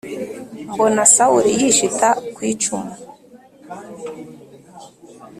mbona Sawuli yishita ku icumu